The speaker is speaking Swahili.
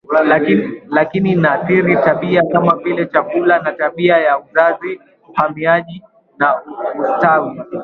lakini inaathiri tabia kama vile chakula na tabia ya uzazi uhamiaji na ustawi